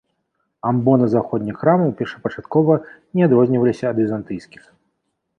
Амбоны заходніх храмаў першапачаткова не адрозніваліся ад візантыйскіх.